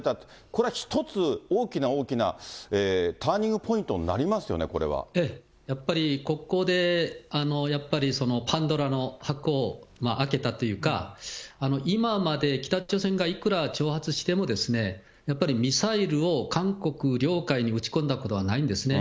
これは一つ大きな大きなターニングポイントになりますよね、ええ、やっぱりここで、やっぱりパンドラの箱を開けたというか、今まで、北朝鮮がいくら挑発しても、やっぱりミサイルを韓国領海に撃ち込んだことはないんですね。